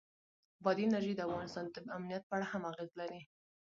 بادي انرژي د افغانستان د امنیت په اړه هم اغېز لري.